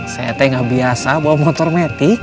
saya teh nggak biasa bawa motor metik